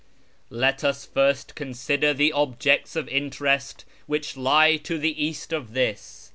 Let us first consider the objects of interest which lie to the east of this.